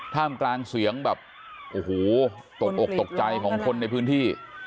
ท่ามกลางเสียงแบบโอ้โหตกอกตกใจของคนในพื้นที่